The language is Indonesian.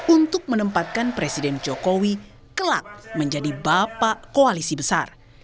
untuk menempatkan presiden jokowi kelak menjadi bapak koalisi besar